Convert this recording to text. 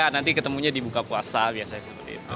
nanti ketemunya di buka puasa biasanya seperti itu